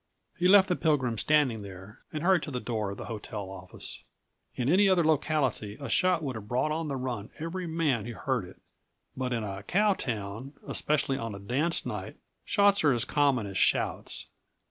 He left the Pilgrim standing there and hurried to the door of the hotel office. In any other locality a shot would have brought on the run every man who heard it; but in a "cow town," especially on a dance night, shots are as common as shouts.